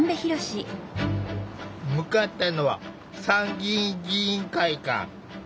向かったのは参議院議員会館。